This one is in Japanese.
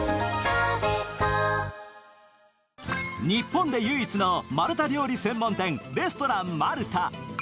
日本で唯一のマルタ料理専門店、レストランマルタ。